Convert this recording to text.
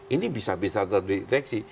ini bisa bisa terdeteksi